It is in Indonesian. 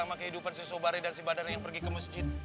sama kehidupan si sobari dan si badarnya yang pergi ke masjid